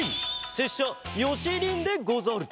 せっしゃよし忍でござる！